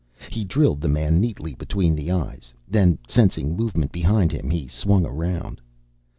He drilled the man neatly between the eyes; then, sensing movement behind him, he swung around.